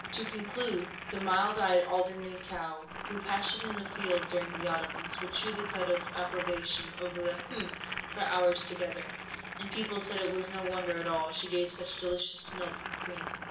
"To conclude, the mild eyed Alderney cow, who pastured in the field during the autumn months, would chew the cud of approbation over the—hm—for hours together, and people said it was no wonder at all that she gave such delicious milk and cream."